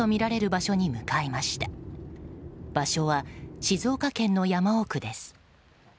場所は静岡県の山奥です。